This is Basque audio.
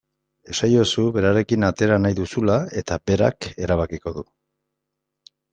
Esaiozu berarekin atera nahi duzula eta berak erabakiko du.